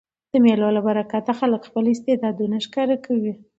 د مېلو له برکته خلک خپل استعدادونه ښکاره کوي.